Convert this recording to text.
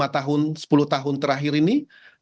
lima tahun sepuluh tahun terakhir ini